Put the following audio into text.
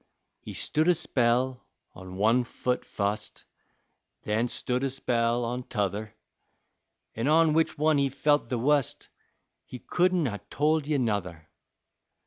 He stood a spell on one foot fust, Then stood a spell on t'other. An' on which one he felt the wust He couldn't ha' told ye nuther.